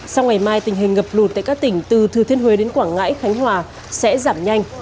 sau ngày mai tình hình ngập lụt tại các tỉnh từ thừa thiên huế đến quảng ngãi khánh hòa sẽ giảm nhanh